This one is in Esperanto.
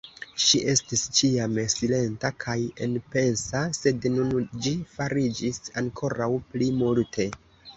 Ŝi estis ĉiam silenta kaj enpensa, sed nun ĝi fariĝis ankoraŭ pli multe.